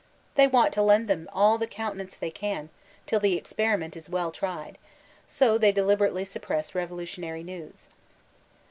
They want to lend them all the countenance they can, till the experiment b well tried ; so they deliber ately suiq>ress revolutionary news.